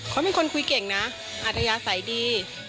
เขาเป็นคนคุยเก่งนะอัธยาศัยดี